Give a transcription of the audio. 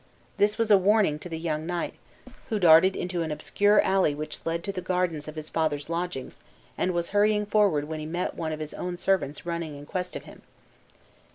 This was a warning to the young knight, who darted into an obscure alley which led to the gardens of his father's lodgings, and was hurrying forward when he met one of his own servants running in quest of him.